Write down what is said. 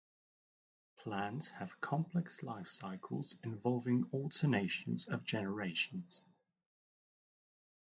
Plants have complex lifecycles involving alternation of generations.